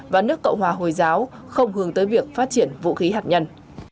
và nước cộng hòa hồi giáo không hướng tới việc phát triển vũ khí hạt nhân